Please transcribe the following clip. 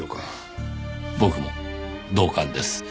僕も同感です。